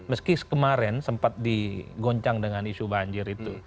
meski kemarin sempat digoncang dengan isu banjir itu